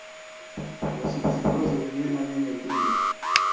Wansubiza ibibazo bimwe na bimwe kuri njye?